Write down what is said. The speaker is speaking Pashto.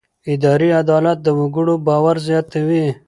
اداري عدالت د وګړو باور زیاتوي.